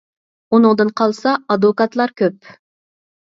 ئۇنىڭدىن قالسا ئادۋوكاتلار كۆپ.